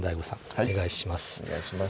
お願いします